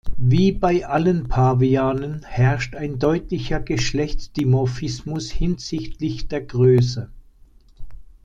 Wie bei allen Pavianen herrscht ein deutlicher Geschlechtsdimorphismus hinsichtlich der Größe.